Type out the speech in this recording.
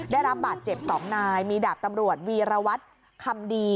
ได้รับบาดเจ็บ๒นายมีดาบตำรวจวีรวัตรคำดี